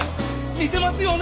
似てますよね。